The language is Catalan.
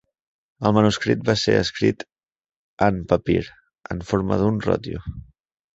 El manuscrit va ser escrit en papir, en forma d'un rotllo.